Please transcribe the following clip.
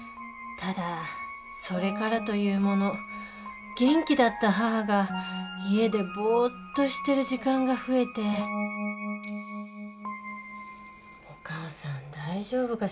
ただそれからというもの元気だった母が家でぼっとしてる時間が増えてお母さん大丈夫かしら。